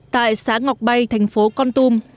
tại xã ngọc bay thành phố con tum